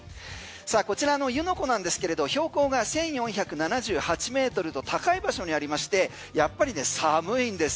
こちらの湯の湖なんですけれど標高が１４７８ｍと高い場所にありましてやっぱりね寒いんです。